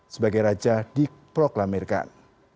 sebagai raja diproklamirkan